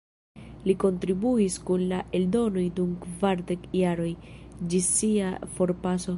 Li kontribuis kun la eldonoj dum kvardek jaroj, ĝis sia forpaso.